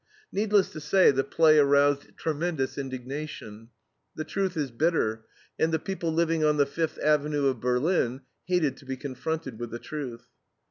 Needless to say, the play aroused tremendous indignation. The truth is bitter, and the people living on the Fifth Avenue of Berlin hated to be confronted with the truth.